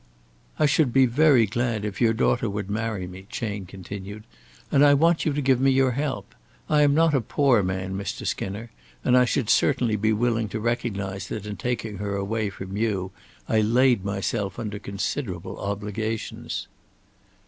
"I should be very glad if your daughter would marry me," Chayne continued, "and I want you to give me your help. I am not a poor man, Mr. Skinner, and I should certainly be willing to recognize that in taking her away from you I laid myself under considerable obligations."